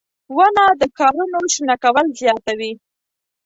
• ونه د ښارونو شنه کول زیاتوي.